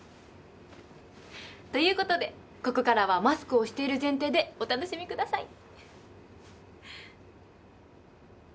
ということでここからはマスクをしている前提でお楽しみください。